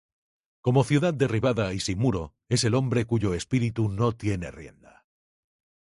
Como ciudad derribada y sin muro, Es el hombre cuyo espíritu no tiene rienda.